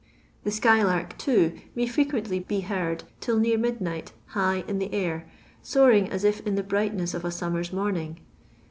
The Sky lark, too, may frequently be heard till near midnight high in tlw air, soaring as if in the brightness of a lomnMr'a morning.